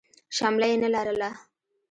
شمله يې نه لرله.